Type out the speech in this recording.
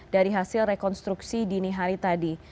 dari hasil rekonstruksi dini hari tadi